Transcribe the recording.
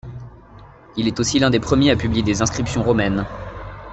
Il est aussi l'un des premiers à publier des inscriptions romaines.